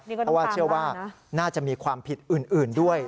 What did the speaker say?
เพราะว่าเชื่อว่าน่าจะมีความผิดอื่นด้วย